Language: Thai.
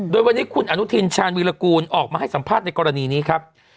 โดยวันนี้คุณอนุทินชาญวีรกูลออกมาให้สัมภาษณ์ในกรณีนี้ครับ